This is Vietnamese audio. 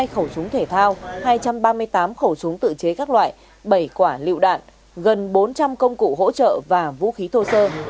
hai khẩu súng thể thao hai trăm ba mươi tám khẩu súng tự chế các loại bảy quả lựu đạn gần bốn trăm linh công cụ hỗ trợ và vũ khí thô sơ